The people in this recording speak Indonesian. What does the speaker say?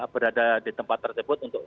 berada di tempat tersebut untuk